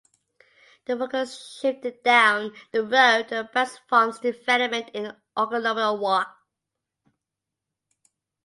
The focus shifted down the road to the Pabst Farms development in Oconomowoc.